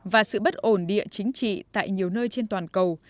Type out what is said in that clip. và sự bất ổn địa chính trị tại nhiều nơi trên toàn cầu